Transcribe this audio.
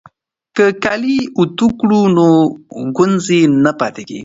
که کالي اوتو کړو نو ګونځې نه پاتې کیږي.